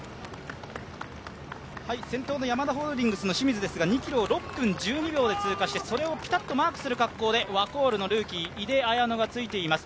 先頭のヤマダホールディングスの清水ですが、２ｋｍを６分１２秒で通過して、それをぴたっとマークする格好でワコールのルーキー、井手彩乃がついています。